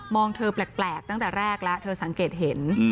เธอแปลกตั้งแต่แรกแล้วเธอสังเกตเห็น